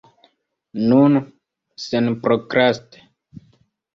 Nun, senprokraste.